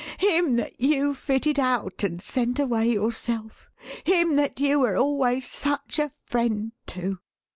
Him that you fitted out, and sent away yourself; him that you were always such a friend to!"